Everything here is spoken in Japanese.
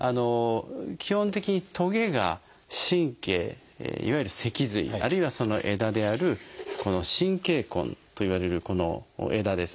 基本的にトゲが神経いわゆる脊髄あるいはその枝であるこの神経根といわれるこの枝ですね